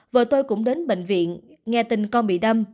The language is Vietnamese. vợ tôi cũng đến bệnh viện nghe tình con bị đâm